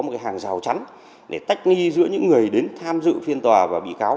một cái hàng rào chắn để tách nghi giữa những người đến tham dự phiên tòa và bị cáo